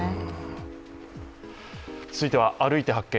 続いては「歩いて発見！